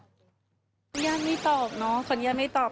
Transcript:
คนญาติไม่ตอบเนอะคนญาติไม่ตอบ